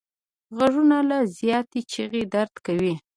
غوږونه له زیاتې چیغې درد کوي